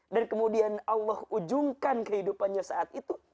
dan kemudian allah ujungkan kehidupannya saat itu